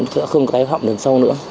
sẽ không có cái phạm đến sau nữa